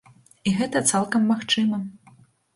І гэта цалкам магчыма.